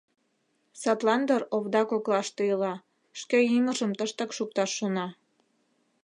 Садлан дыр овда коклаште ила, шке ӱмыржым тыштак шукташ шона.